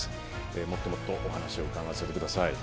もっともっとお話をうかがわせてください。